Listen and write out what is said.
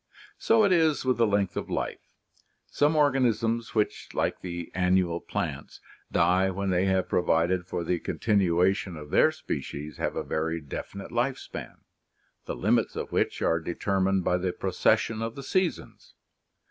So it is with the length of life. Some organisms which, like the annual plants, die when they have provided for the continuation of their species, have a very definite life span, the limits of which are determined by the procession of the seasons.